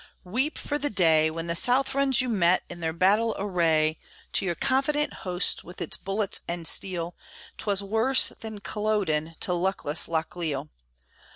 weep, weep for the day, When the Southrons you met in their battle array; To your confident hosts with its bullets and steel, 'Twas worse than Culloden to luckless Lochiel.